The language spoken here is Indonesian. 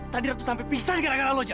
tadi ratu sampai pingsan gara gara lo jam